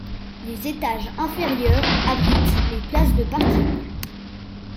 Les étages inférieurs abritent des places de parking.